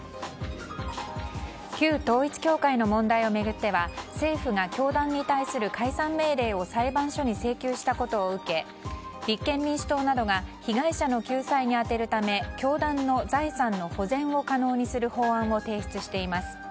旧統一教会の問題を巡っては政府が教団に対する解散命令を裁判所に請求したことを受け立憲民主党などが被害者の救済に充てるため教団の財産の保全を可能にする法案を提出しています。